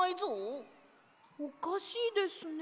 おかしいですね。